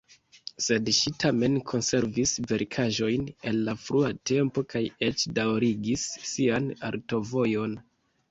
Sed ŝi tamen konservis verkaĵojn el la frua tempo kaj eĉ daŭrigis sian artovojon.